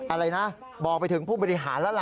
อะไรนะบอกไปถึงผู้บริหารแล้วล่ะ